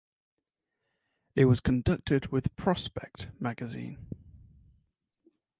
It was conducted with "Prospect" magazine.